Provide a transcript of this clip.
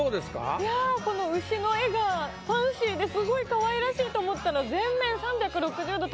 いやこの牛の絵がファンシーですごいかわいらしいと思ったら全面。